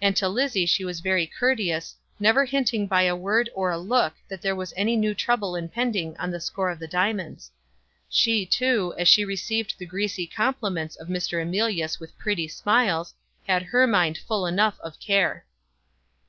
And to Lizzie she was very courteous, never hinting by a word or a look that there was any new trouble impending on the score of the diamonds. She, too, as she received the greasy compliments of Mr. Emilius with pretty smiles, had her mind full enough of care.